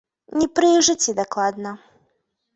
Не пры іх жыцці дакладна.